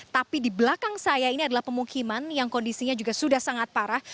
tapi di belakang saya ini adalah pemukiman yang kondisinya juga sudah sangat parah